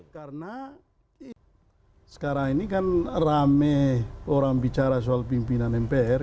karena sekarang ini kan rame orang bicara soal pimpinan mpr